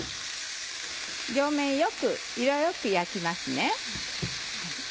両面よく色よく焼きますね。